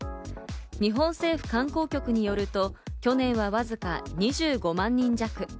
日本政府観光局によると、去年はわずか２５万人弱。